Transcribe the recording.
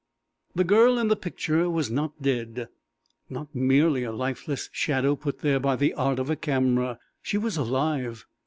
The girl in the picture was not dead not merely a lifeless shadow put there by the art of a camera. She was alive!